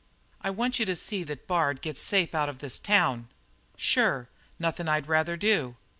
"I want you to see that Bard gets safe out of this town." "Sure. Nothing I'd rather do."